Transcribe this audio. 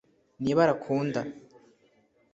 ni ibara akunda